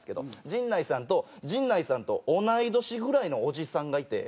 陣内さんと陣内さんと同い年ぐらいのおじさんがいて。